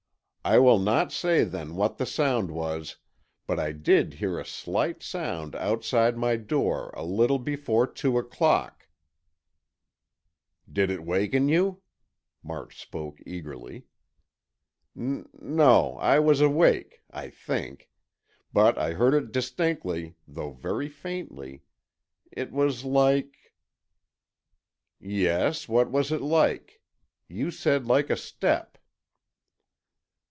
I will not say, then, what the sound was, but I did hear a slight sound outside my door a little before two o'clock——" "Did it waken you?" March spoke eagerly. "N no, I was awake—I think. But I heard it distinctly, though very faintly. It was like——" "Yes, what was it like? You said, like a step."